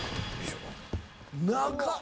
長っ！